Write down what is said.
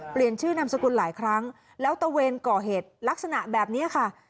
เปลี่ยนชื่อนามสกุลหลายครั้งแล้วตะเวนก่อเหตุลักษณะแบบนี้ค่ะ